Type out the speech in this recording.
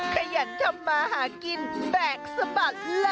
ขยันทำมาหากินแบกสะบัด